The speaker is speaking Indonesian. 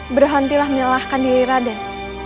berhentilah menyalahkan diri raden